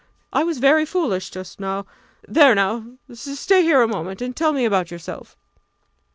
I was very foolish just now. There now stay here a moment and tell me about yourself."